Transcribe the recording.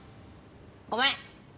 ごめん！